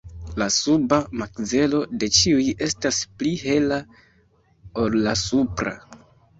La suba makzelo de ĉiuj estas pli hela ol la supra.